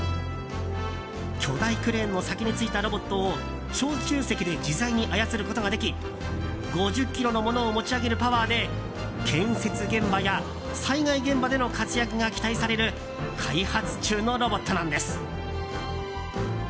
巨大クレーンの先についたロボットを操縦席で自在に操ることができ５０ｋｇの物を持ち上げるパワーで建設現場や災害現場での活躍が期待される開発中のロボットなんです。